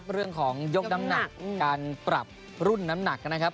เรื่องของยกน้ำหนักการปรับรุ่นน้ำหนักนะครับ